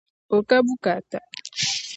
O ka bukaata.